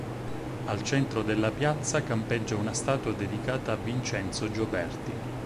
Al centro della piazza campeggia una statua dedicata a Vincenzo Gioberti.